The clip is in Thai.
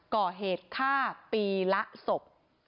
ก่อเหตุฆ่าปีละศพ